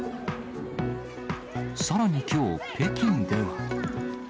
さらにきょう、北京では。